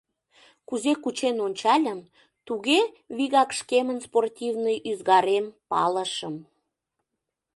Кузе кучен ончальым, туге вигак шкемын спортивный ӱзгарем палышым.